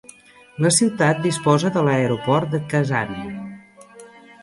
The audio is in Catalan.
La ciutat disposa de l'Aeroport de Kasane.